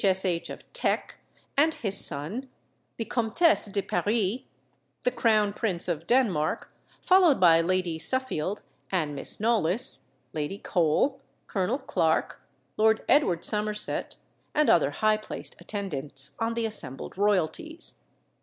S. H. of Teck and his son; the Comtesse de Paris; the Crown Prince of Denmark; followed by Lady Suffield and Miss Knollys, Lady Cole, Colonel Clarke, Lord Edward Somerset, and other high placed attendants on the assembled royalties.